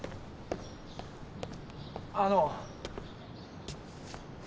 あの。